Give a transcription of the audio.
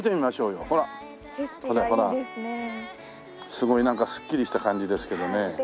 すごいなんかすっきりした感じですけどね。